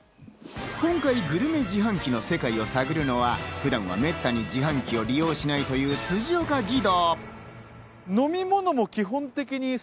今回、グルメ自販機の世界を探るのは、普段はめったに自販機を利用しないという辻岡義堂。